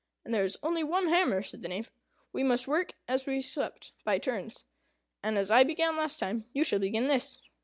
"As there is only one hammer," said the Knave, "we must work, as we supped, by turns; and as I began last time, you shall begin this.